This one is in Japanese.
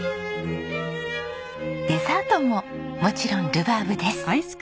デザートももちろんルバーブです。